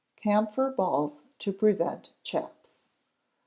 Camphor Balls to prevent Chaps.